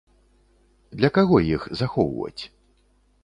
Для каго іх захоўваць?